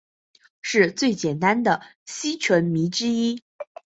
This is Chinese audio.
是最简单的烯醇醚之一。